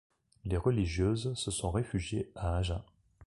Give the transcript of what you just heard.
Les religieuses se sont réfugiées à Agen.